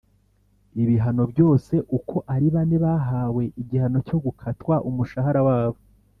ibihano bose uko ari bane bahawe igihano cyo gukatwa umushahara wabo